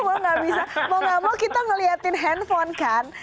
mau tidak mau kita melihatkan handphone kan